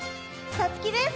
さつきです！